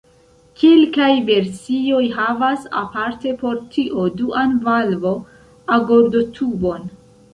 Kelkaj versioj havas aparte por tio duan valvo-agordotubon.